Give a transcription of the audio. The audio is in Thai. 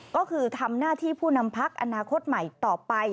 ก็คือทำหน้าที่ผู้นำพักอนาคตใหม่ต่อไป